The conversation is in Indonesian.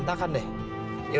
terima kasih ibu